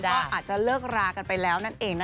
ก็อาจจะเลิกรากันไปแล้วนั่นเองนะ